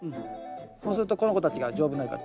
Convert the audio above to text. そうするとこの子たちが丈夫になるから。